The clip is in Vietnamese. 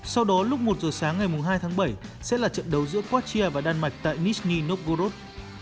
sau đó lúc một h sáng ngày hai tháng bảy sẽ là trận đấu giữa croatia và đan mạch tại nizhny novgorod